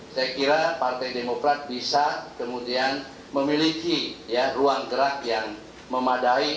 saya kira partai demokrat bisa kemudian memiliki ruang gerak yang memadai